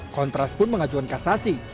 kontras pun mengajukan kasasi